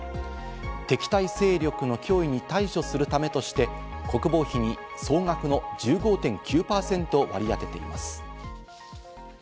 敵対勢力の脅威に対処するためとして、国防費に総額の１５．９％を割り当てています。